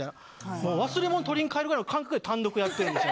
もう忘れ物取りに帰るぐらいの感覚で単独やってるんですよ。